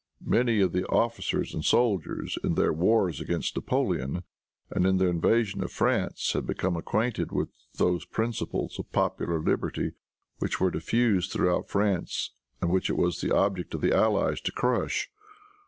Many of the officers and soldiers, in their wars against Napoleon and in their invasion of France, had become acquainted with those principles of popular liberty which were diffused throughout France, and which it was the object of the allies to crush.